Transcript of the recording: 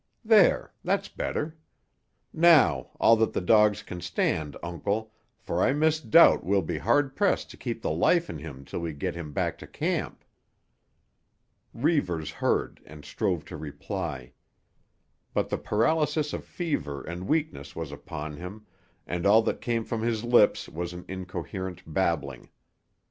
There; that's better. Now, all that the dogs can stand, Uncle, for I misdoubt we'll be hard pressed to keep the life in him till we get him back to camp." Reivers heard and strove to reply. But the paralysis of fever and weakness was upon him, and all that came from his lips was an incoherent babbling.